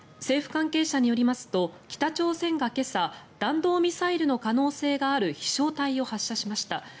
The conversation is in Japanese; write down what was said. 政府関係者によりますと北朝鮮が今朝弾道ミサイルの可能性がある飛翔体を発射しました。